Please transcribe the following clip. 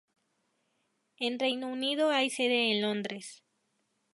En Reino Unido hay sede en Londres.